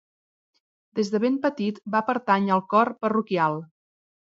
Des de ben petit va pertànyer al cor parroquial.